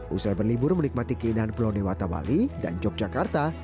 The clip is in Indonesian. usai berlibur menikmati keindahan pulau dewata bali dan yogyakarta